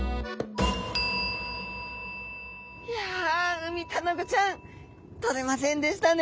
いやウミタナゴちゃんとれませんでしたね。